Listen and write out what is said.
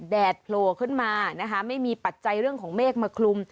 แดดโผล่ขึ้นมานะคะไม่มีปัจจัยเรื่องของเมฆมาคลุม